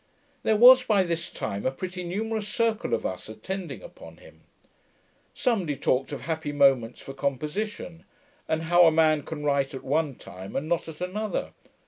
There was, by this time, a pretty numerous circle of us attending upon him. Somebody talked of happy moments for composition; and how a man can write at one time, and not at another.